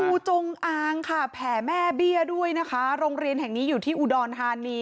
งูจงอางค่ะแผ่แม่เบี้ยด้วยนะคะโรงเรียนแห่งนี้อยู่ที่อุดรธานี